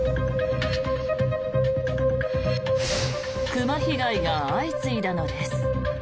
熊被害が相次いだのです。